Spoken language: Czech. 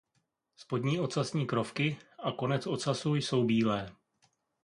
Spodní ocasní krovky a konec ocasu jsou bílé.